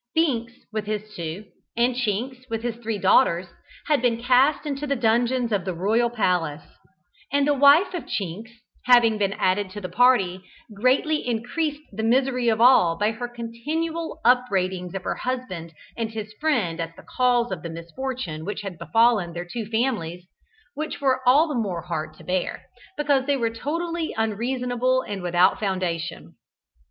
Binks, with his two, and Chinks, with his three daughters, had been cast into the dungeons of the Royal Palace, and the wife of Chinks having been added to the party, greatly increased the misery of all by her continual upbraidings of her husband and his friend as the cause of the misfortune which had befallen their two families, which were all the more hard to bear, because they were totally unreasonable and without foundation.